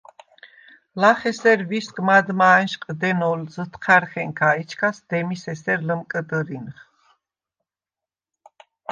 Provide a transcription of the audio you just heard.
ლახ ესერ ვისგ მადმა ა̈ნშყდენოლ ზჷთჴა̈რხენქა, ეჩქას დემის ესერ ლჷმკჷდჷრინხ.